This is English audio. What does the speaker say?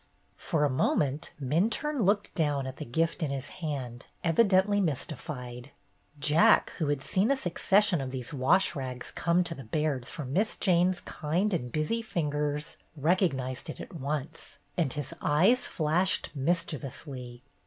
For a moment Minturne looked down at the gift in his hand, evidently mystified. Jack, who had seen a succession of these wash rags come to the Bairds from Miss Jane's kind and busy fingers, recognized it at once, and his eyes flashed mischievously.